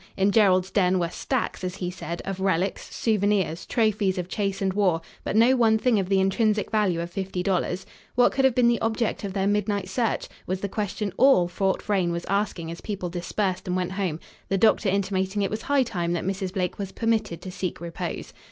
In Gerald's den were "stacks," as he said, of relics, souvenirs, trophies of chase and war, but no one thing of the intrinsic value of fifty dollars. What could have been the object of their midnight search? was the question all Fort Frayne was asking as people dispersed and went home, the doctor intimating it was high time that Mrs. Blake was permitted to seek repose.